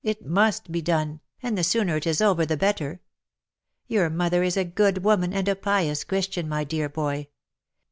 — it must be done, and the sooner it is over the better. Your mother is a good woman, and a pious Christian, my dear boy.